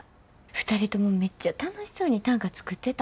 ２人ともめっちゃ楽しそうに短歌作ってた。